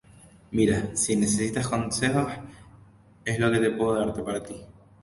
mira, si necesitas consejos, es lo que puedo darte, para ti.